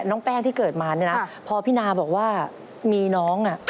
น้องแป้งที่เกิดมาเนี่ยนะพอพี่นาบอกว่ามีน้อง